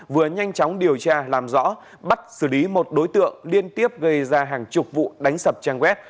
vừa nhanh chóng điều tra làm rõ bắt xử lý một đối tượng liên tiếp gây ra hàng chục vụ đánh sập trang web